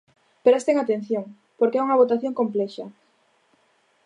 Presten atención, porque é unha votación complexa.